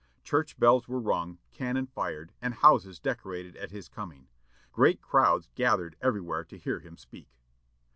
Church bells were rung, cannon fired, and houses decorated at his coming. Great crowds gathered everywhere to hear him speak.